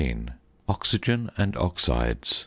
OXYGEN AND OXIDES.